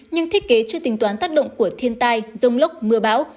nhưng thiết kế chưa tính toán tác động của thiên tai rông lốc mưa bão